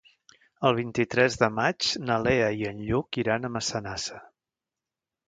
El vint-i-tres de maig na Lea i en Lluc iran a Massanassa.